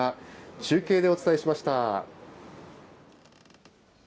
中継でお伝えしました。